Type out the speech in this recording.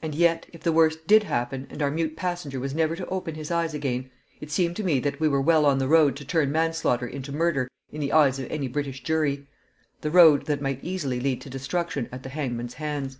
And yet, if the worst did happen and our mute passenger was never to open his eyes again, it seemed to me that we were well on the road to turn manslaughter into murder in the eyes of any British jury: the road that might easily lead to destruction at the hangman's hands.